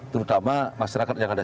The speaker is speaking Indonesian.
terutama masyarakat yang ada